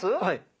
はい。